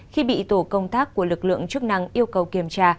khi bị tổ công tác của lực lượng chức năng yêu cầu kiểm tra